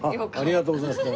ありがとうございます。